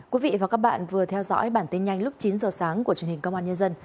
quý vị và các bạn vừa theo dõi bản tin nhanh lúc chín giờ sáng của truyền hình công an nhân dân